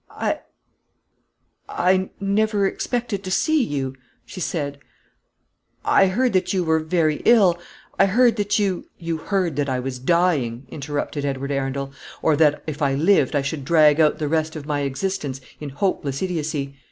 "I I never expected to see you," she said; "I heard that you were very ill; I heard that you " "You heard that I was dying," interrupted Edward Arundel; "or that, if I lived, I should drag out the rest of my existence in hopeless idiocy.